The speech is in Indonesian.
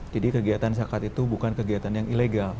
jadi kegiatan zakat itu bukan kegiatan yang ilegal